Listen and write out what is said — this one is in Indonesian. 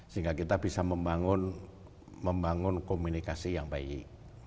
sehingga kita bisa membangun komunikasi yang baik